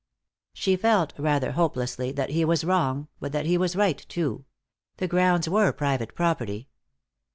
She felt, rather hopelessly, that he was wrong, but that he was right, too. The grounds were private property.